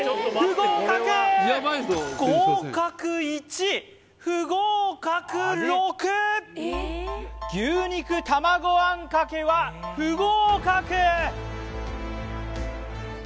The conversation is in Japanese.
合格１不合格６牛肉玉子あんかけは不合格！